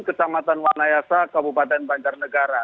kecamatan wanayasa kabupaten banjarnegara